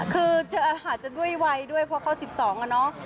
คืออาจจะด้วยวัยด้วยเพราะเขา๑๒อะเนาะ